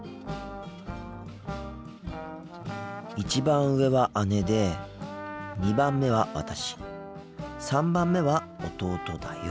１番上は姉で２番目は私３番目は弟だよ。